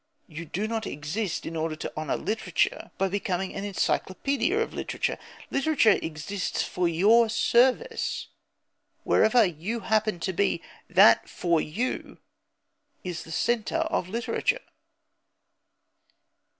You do not exist in order to honour literature by becoming an encyclopædia of literature. Literature exists for your service. Wherever you happen to be, that, for you, is the centre of literature.